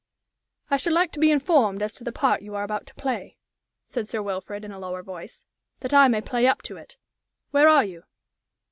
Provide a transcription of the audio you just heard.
"I should like to be informed as to the part you are about to play," said Sir Wilfrid, in a lower voice, "that I may play up to it. Where are you?"